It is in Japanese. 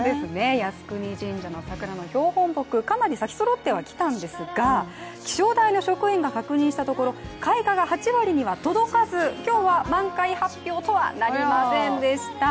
靖国神社の桜の標本木、かなり咲きそろってはきたんですが、気象台の職員が確認したところ開花が７割には届かず、今日は満開発表とはなりませんでした。